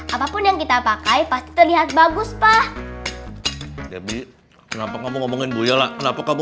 apapun yang kita pakai pasti terlihat bagus pak debbie kenapa kamu ngomongin goyola kenapa kamu